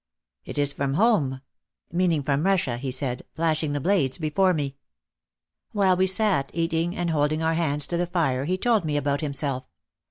"It is from home," meaning from Russia, he said, flashing the blades before me. While we sat eating and holding our hands to the fire he told me about himself.